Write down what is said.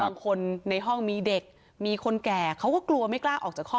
บางคนในห้องมีเด็กมีคนแก่เขาก็กลัวไม่กล้าออกจากห้อง